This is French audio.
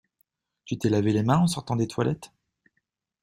Tu t'es lavé les mains en sortant des toilettes?